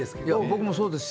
僕もそうです。